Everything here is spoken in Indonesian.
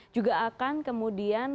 juga akan kemudian